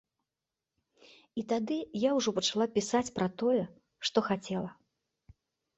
І тады я ўжо пачала пісаць пра тое, што хацела.